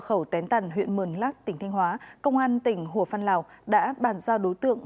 trước đó công an huyện mường lát tỉnh thanh hóa công an tỉnh hồ văn lào đã bàn giao đối tượng